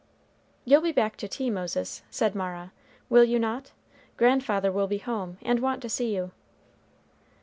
"You'll be back to tea, Moses," said Mara, "will you not? Grandfather will be home, and want to see you."